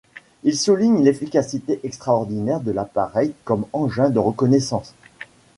Il souligne l'efficacité extraordinaire de l'appareil comme engin de reconnaissance.